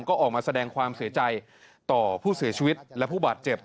ก็ออกมาแสดงความเสียใจต่อผู้เสียชีวิตและผู้บาดเจ็บ